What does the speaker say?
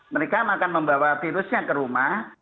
mereka akan membawa virusnya ke rumah